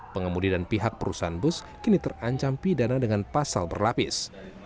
pengemudi dan pihak perusahaan bus kini terancam pidana dengan pasal berlapis